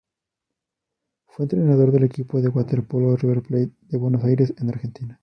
Fue entrenador del equipo de waterpolo River Plate de Buenos Aires en Argentina.